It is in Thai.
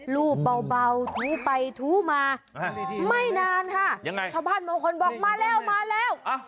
รูปเบาถูไปถูมาไม่นานค่ะชาวบ้านบางคนบอกมาแล้ว